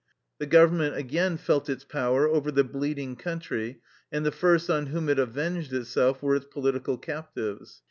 The government again felt its power over the bleeding country, and the first on whom it avenged itself were its political captives.